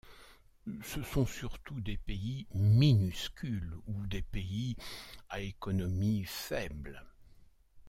Ce sont surtout des pays minuscules ou des pays à économie faible.